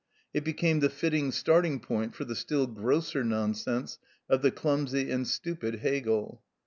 It became the fitting starting point for the still grosser nonsense of the clumsy and stupid Hegel.